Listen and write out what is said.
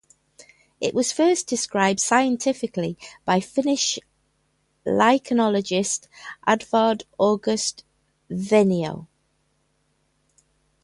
It was first described scientifically by Finnish lichenologist Edvard August Vainio.